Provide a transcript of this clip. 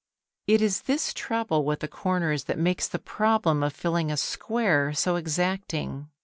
It is this trouble with the corners that makes the problem of filling a square so exacting.